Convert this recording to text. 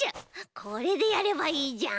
これでやればいいじゃん！